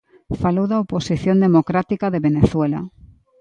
Falou da oposición democrática de Venezuela.